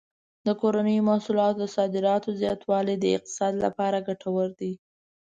د کورنیو محصولاتو د صادراتو زیاتوالی د اقتصاد لپاره ګټور دی.